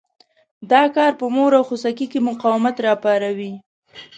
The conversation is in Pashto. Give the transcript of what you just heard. دا کار په مور او خوسکي کې مقاومت را پاروي.